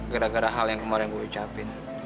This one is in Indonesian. gara gara hal yang kemarin gue ucapin